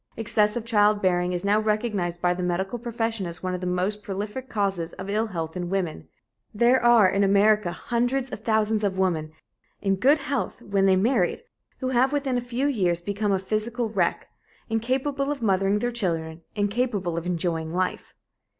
Excessive childbearing is now recognized by the medical profession as one of the most prolific causes of ill health in women. There are in America hundreds of thousands of women, in good health when they married, who have within a few years become physical wrecks, incapable of mothering their children, incapable of enjoying life.